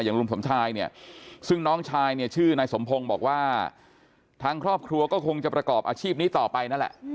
ลุงสมชายเนี่ยซึ่งน้องชายเนี่ยชื่อนายสมพงศ์บอกว่าทางครอบครัวก็คงจะประกอบอาชีพนี้ต่อไปนั่นแหละ